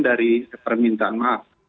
dari permintaan maaf